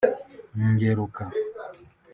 Ngeruka